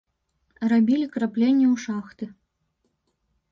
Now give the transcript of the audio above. Рабілі крапленні ў шахты.